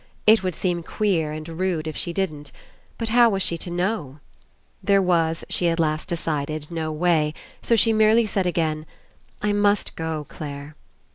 It would seem queer and rude 32 ENCOUNTER if she didn't. But how was she to know? There was, she at last decided, no way; so she merely said again. "I must go, Clare."